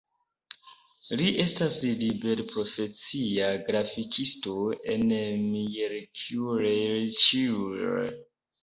Li estas liberprofesia grafikisto en Miercurea Ciuc.